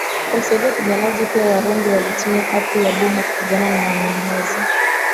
Kumsaidia wapiganaji pia warundi walitumia ardhi ya buha kupigana na wanyamwez